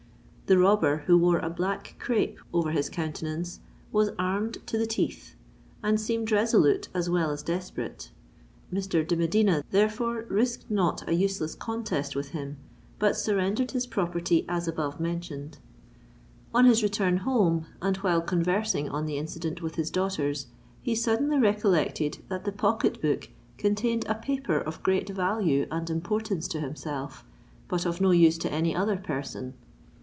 The robber, who wore a black crape over his countenance, was armed to the teeth, and seemed resolute as well as desperate: Mr. de Medina, therefore, risked not an useless contest with him, but surrendered his property as above mentioned. On his return home, and while conversing on the incident with his daughters, he suddenly recollected that the pocket book contained a paper of great value and importance to himself, but of no use to any other person.